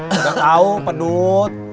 udah tau pedut